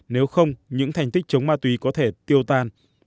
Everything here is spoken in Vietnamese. nếu không những thành tích chống ma túy có thể tiêu tan